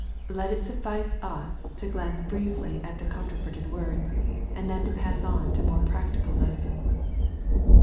Let it suffice us to glance briefly at the controverted words, and then pass on to more practical lessons.